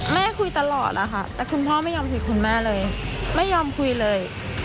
คุยตลอดอะค่ะแต่คุณพ่อไม่ยอมคุยคุณแม่เลยไม่ยอมคุยเลย